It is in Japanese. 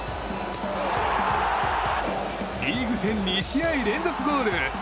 リーグ戦２試合連続ゴール！